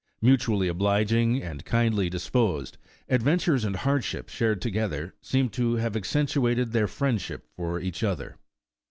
Mutually oblig ing and kindly disposed, adventures and hardships shared together, seemed to have accentuated their friendship for each other.